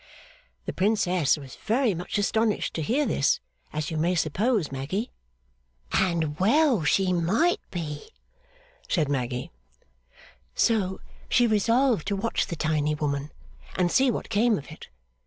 'The Princess was very much astonished to hear this, as you may suppose, Maggy.' ['And well she might be,' said Maggy.) 'So she resolved to watch the tiny woman, and see what came of it.